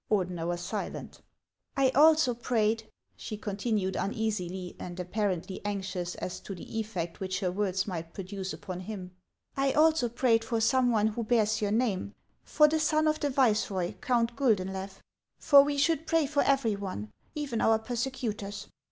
Ordener was silent. " I also prayed," she continued uneasily, and apparently anxious as to the effect which her words might produce upon him, " I also prayed for some one who bears your name, for the son of the viceroy, Count Guldenlew. For we should pray for every one, even our persecutors."